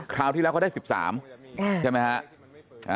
คราวที่แล้วเขาได้๑๓ใช่ไหมฮะ